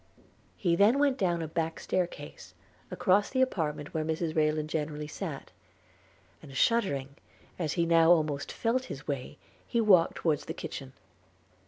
He then went down a back stair case across the apartment where Mrs Rayland generally sat, and shuddering, as he now almost felt his way, he walked towards the kitchen.